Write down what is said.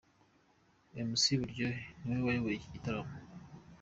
Mc Buryohe ni we wayoboye iki gitaramo.